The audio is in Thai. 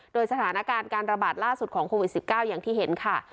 โดยสถานการณ์การระบาดล่าสุดของโควิด๑๙อย่างที่เห็นค่ะ